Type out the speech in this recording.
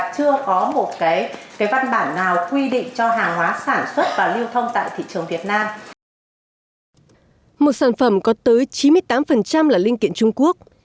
chỉ có một cái văn bản nào quy định cho hàng hóa sản xuất và lưu thông tại thị trường việt nam